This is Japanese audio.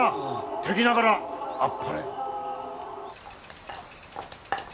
敵ながらあっぱれ。